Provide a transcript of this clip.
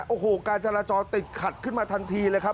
โอ้โหการจราจรติดขัดขึ้นมาทันทีเลยครับ